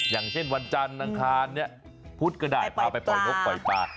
อย่างเช่นวันจันทร์นางทานเนี่ยพุทค์กระดาษมาฝาไปปลุกปล่อยปลา